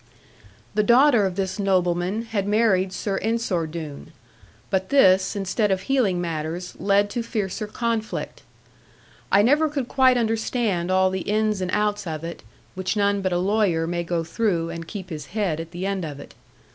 The daughter of this nobleman had married Sir Ensor Doone; but this, instead of healing matters, led to fiercer conflict. I never could quite understand all the ins and outs of it; which none but a lawyer may go through, and keep his head at the end of it.